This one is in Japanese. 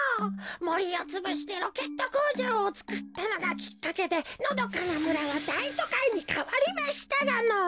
もりをつぶしてロケットこうじょうをつくったのがきっかけでのどかなむらはだいとかいにかわりましたがのぉ。